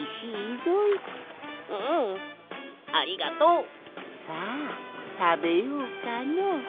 うんありがとう！さあたべようかの。